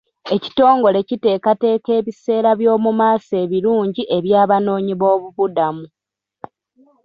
Ekitongole kiteekateeka ebiseera by'omu maaso ebirungi eby'abanoonyiboobubudamu.